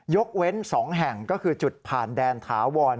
ยกเว้น๒แห่งก็คือจุดผ่านแดนถาวร